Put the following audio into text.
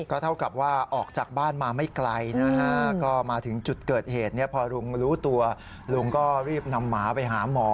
ก็เท่ากับว่าออกจากบ้านมาไม่ไกลนะฮะก็มาถึงจุดเกิดเหตุพอลุงรู้ตัวลุงก็รีบนำหมาไปหาหมอ